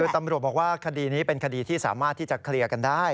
ตำรวจบอกว่าคดีนี้เป็นคดีที่สามารถที่จะเคลียร์กันได้